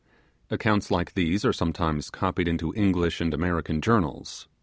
*Accounts like these are sometimes copied into English and American journals.